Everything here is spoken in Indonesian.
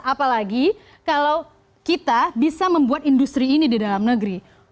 apalagi kalau kita bisa membuat industri ini di dalam negeri